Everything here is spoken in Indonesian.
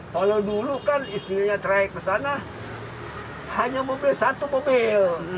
kalau dulu kan istrinya trayek ke sana hanya mobil satu mobil